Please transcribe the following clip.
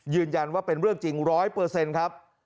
ยืนยันว่าเป็นเรื่องจริง๑๐๐ครับ